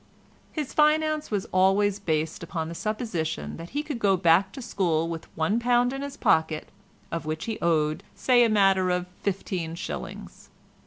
His finance was always based upon the supposition that he should go back to school with £1 in his pocket—of which he owed say a matter of fifteen shillings.